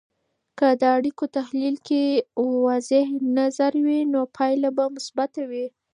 که د اړیکو تحلیل کې واضح نظر وي، نو پایله به مثبته وي.